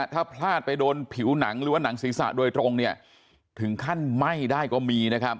ถ้าพลาดไปโดนผิวหนังหรือว่าหนังศีรษะโดยตรงเนี่ยถึงขั้นไหม้ได้ก็มีนะครับ